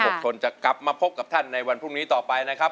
คนจะกลับมาพบกับท่านในวันพรุ่งนี้ต่อไปนะครับ